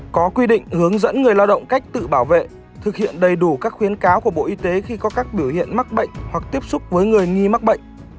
có quy định hướng dẫn người lao động cách tự bảo vệ thực hiện đầy đủ các khuyến cáo của bộ y tế khi có các biểu hiện mắc bệnh hoặc tiếp xúc với người nghi mắc bệnh